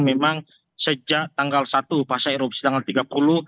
memang sejak tanggal satu pasca erupsi tanggal tiga puluh